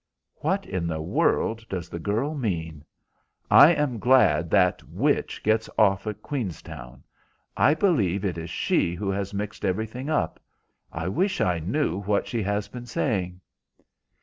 "What in the world does the girl mean? I am glad that witch gets off at Queenstown. I believe it is she who has mixed everything up. I wish I knew what she has been saying."